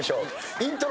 イントロ。